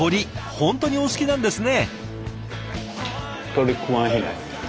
本当にお好きなんですね！